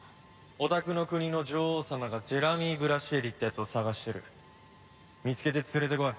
「お宅の国の女王様がジェラミー・ブラシエリってやつを捜してる」「見つけて連れてこい」